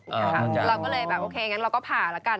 เราก็เลยโอเคอย่างงั้นเราก็ผ่าแล้วกัน